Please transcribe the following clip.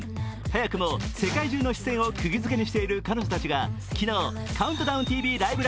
早くも世界中の視線をくぎ付けにしている彼女たちが昨日、「ＣＤＴＶライブ！